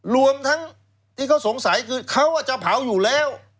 รวมทั้งที่เขาสงสัยคือเขาจะเผาอยู่แล้ว